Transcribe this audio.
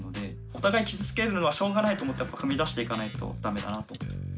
お互い傷つけるのはしょうがないと思って踏み出していかないと駄目だなと思ってます。